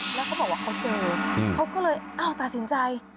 แล้วก็บอกว่าเขาเจอเขาก็เลยตัดสินใจ